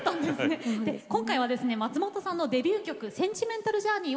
今回は松本さんの「センチメンタル・ジャーニー」